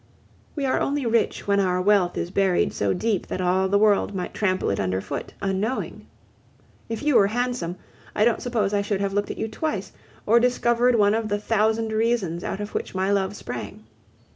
We are only rich when our wealth is buried so deep that all the world might trample it under foot, unknowing. If you were handsome, I don't suppose I should have looked at you twice, or discovered one of the thousand reasons out of which my love sprang.